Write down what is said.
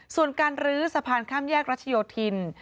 ส่วนการลื้อสะพานข้ามแยกรัชโยธิน